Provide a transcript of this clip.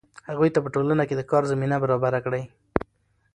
هغوی ته په ټولنه کې د کار زمینه برابره کړئ.